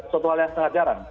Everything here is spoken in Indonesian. suatu hal yang sangat jarang